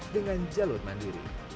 dengan jalur mandiri